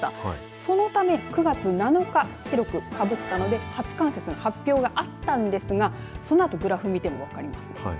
そのため９月７日白く、かぶったので初冠雪の発表があったんですがそのあとグラフを見ても分かります。